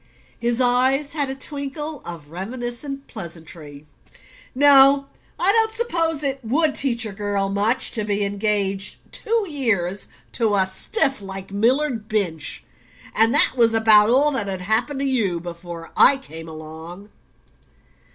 His eyes had a twinkle of reminiscent pleasantry. "No I don't suppose it WOULD teach a girl much to be engaged two years to a stiff like Millard Binch; and that was about all that had happened to you before I came along."